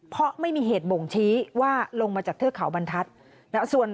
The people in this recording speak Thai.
เพราะไม่มีเหตุบ่งชี้ว่าลงมาจากเทือกเขาบรรทัศน์